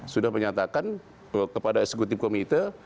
sudah menyatakan kepada eksekutif komite